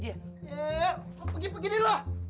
ya ya ya lo pergi pergi deh lo